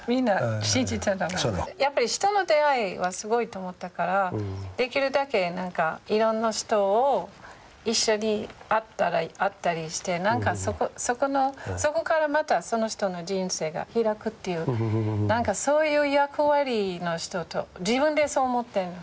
人の出会いはすごいと思ったからできるだけいろんな人が一緒に会ったりしてそこからまたその人の人生が開くっていうそういう役割の人と自分でそう思ってるの。